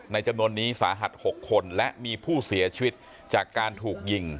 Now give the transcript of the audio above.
จำนวนนี้สาหัส๖คนและมีผู้เสียชีวิตจากการถูกยิง